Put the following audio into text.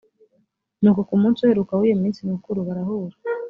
ni uko ku munsi uheruka w’iyo minsi mikuru barahura